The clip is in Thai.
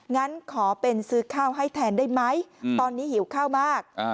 งั้นขอเป็นซื้อข้าวให้แทนได้ไหมตอนนี้หิวข้าวมาก